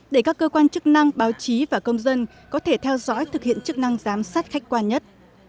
để các cơ quan chức năng báo chí và công dân có thể theo dõi thực hiện chức năng giám sát khách quan nhất